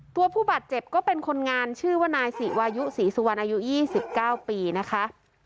ตัวผู้บาดเจ็บก็เป็นคนงานชื่อว่านายสิ่วายุศรีสุวรรค์อายุยี่สิบเก้าปีนะคะ